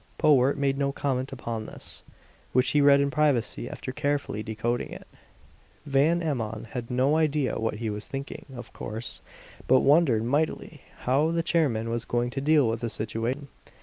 Powart made no comment upon this, which he read in privacy after carefully decoding it. Van Emmon had no idea what he was thinking, of course, but wondered mightily how the chairman was going to deal with the situation.